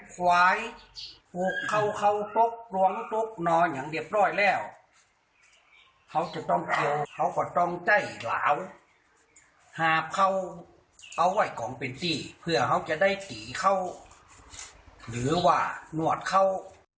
ฝั่งสิ่งชาวบ้านกันค่ะ